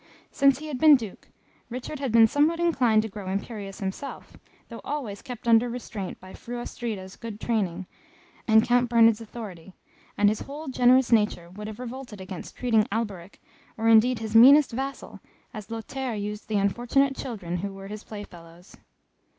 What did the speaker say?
Since he had been Duke, Richard had been somewhat inclined to grow imperious himself, though always kept under restraint by Fru Astrida's good training, and Count Bernard's authority, and his whole generous nature would have revolted against treating Alberic, or indeed his meanest vassal, as Lothaire used the unfortunate children who were his playfellows.